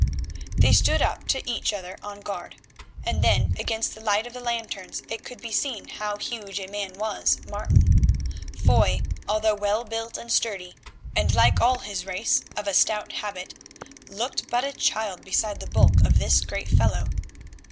They stood up to each other on guard, and then against the light of the lanterns it could be seen how huge a man was Martin. Foy, although well built and sturdy, and like all his race of a stout habit, looked but a child beside the bulk of this great fellow.